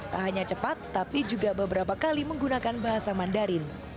tak hanya cepat tapi juga beberapa kali menggunakan bahasa mandarin